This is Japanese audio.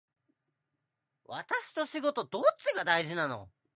私と仕事どっちが大事なの